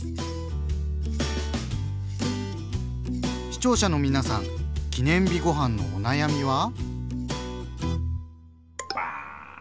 視聴者の皆さん記念日ごはんのお悩みは？